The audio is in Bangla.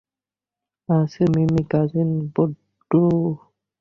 আছে মিমি, কাজিন বুড্রু।